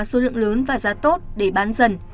số lượng lớn và giá tốt để bán dần